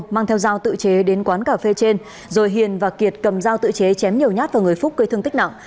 mang theo dao tự chế đến quán cà phê trên rồi hiền và kiệt cầm dao tự chế chém nhiều nhát vào người phúc gây thương tích nặng